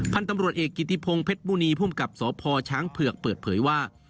พันธ์ตำรวจเอกกิธิพงศ์เพชรบูนีผู้อำนวยการสอบพ่อช้างเผือกเปิดเผยว่า